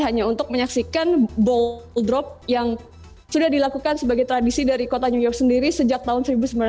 hanya untuk menyaksikan ball drop yang sudah dilakukan sebagai tradisi dari kota new york sendiri sejak tahun seribu sembilan ratus sembilan puluh